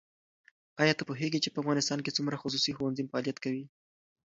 ایا ته پوهېږې چې په افغانستان کې څومره خصوصي ښوونځي فعالیت کوي؟